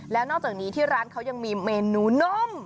แล้วนอกจากนี้ที่ร้านเขายังมีเมนูนุ่ม